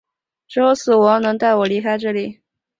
只有死亡能带我离开这里！